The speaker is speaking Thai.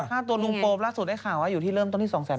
ค่าตัวลุงโปมล่าสุดได้ข่าวว่าอยู่ที่เริ่มต้นที่๒๐๐๐